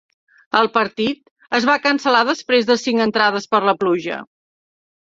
El partit es va cancel·lar després de cinc entrades per la pluja.